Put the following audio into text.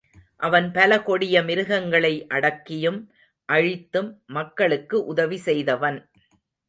அவன் பல கொடிய மிருகங்களை அடக்கியும், அழித்தும் மக்களுக்கு உதவி செய்தவன்.